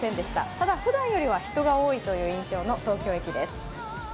ただ、ふだんよりは人が多いという印象の東京駅です。